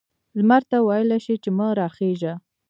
لمر ته ویلای شي چې مه را خیژه؟